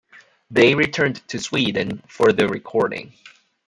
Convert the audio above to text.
They returned to Sweden for the recording.